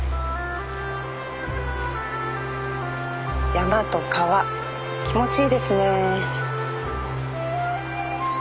山と川気持ちいいですね。